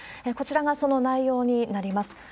こちらがその内容になります。